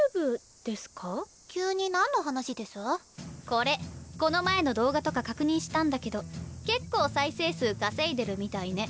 これこの前の動画とか確認したんだけど結構再生数稼いでるみたいね。